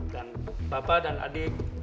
dan bapak dan adik